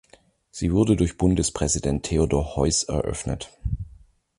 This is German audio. Sie wurde durch Bundespräsident Theodor Heuss eröffnet.